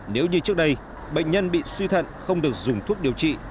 nếu như trước đây bệnh nhân bị suy thận không được dùng thuốc điều trị